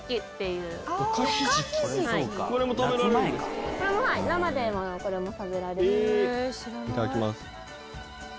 いただきます。